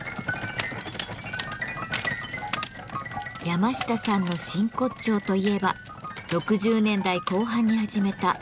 山下さんの真骨頂といえば６０年代後半に始めた「フリージャズ」。